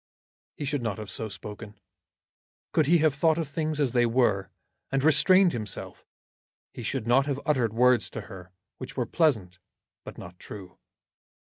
He should not have so spoken. Could he have thought of things as they were, and have restrained himself, he should not have uttered words to her which were pleasant but not true.